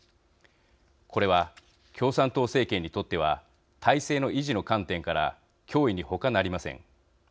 これは共産党政権にとっては体制の維持の観点から脅威に他なりません。